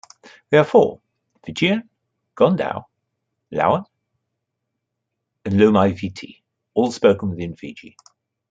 They are four: Fijian, Gone Dau, Lauan and Lomaiviti all spoken within Fiji.